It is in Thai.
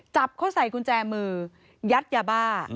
จับเขาใส่กุญแจมือยัดยาบ้า